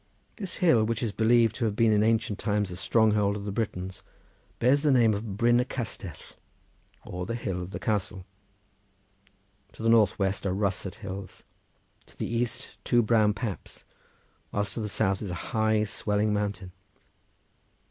This hill, which is believed to have been in ancient times a stronghold of the Britons, bears the name of Bryn y Castell or the hill of the castle. To the north west are russet hills, to the east two brown paps, whilst to the south is a high, swelling mountain.